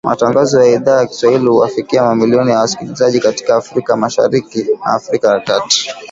Matangazo ya Idhaa ya Kiswahili huwafikia mamilioni ya wasikilizaji katika Afrika Mashariki na Afrika ya kati .